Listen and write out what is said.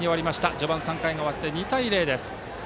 序盤の３回が終わって２対０です。